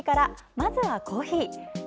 まずはコーヒーです。